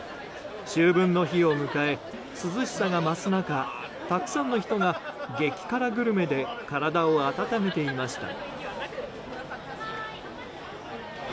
秋分の日を迎え涼しさが増す中たくさんの人が激辛グルメで体を温めていました。